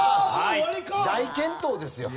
大健闘ですよ